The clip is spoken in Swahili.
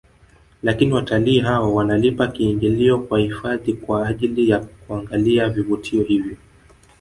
Lakini watalii hao wanalipa kiingilio kwa hifadhi kwa ajili ya kuangalia vivutio hivyo